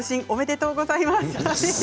おめでとうございます。